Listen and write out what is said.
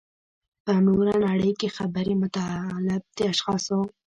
په نوره نړۍ کې خبري مطالب د اشخاصو.